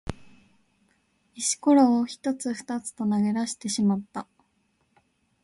石ころを一つ二つと投げ出してしまった。